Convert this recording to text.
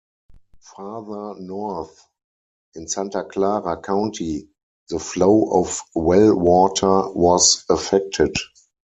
Farther north in Santa Clara County the flow of well water was affected.